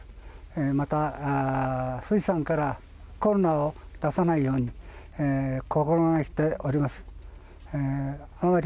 また、富士山からコロナを出さないように心がけております。